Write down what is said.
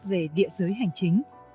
về địa giới hành chính